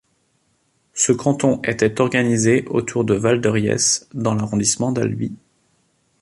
Ce canton était organisé autour de Valderiès dans l'arrondissement d'Albi.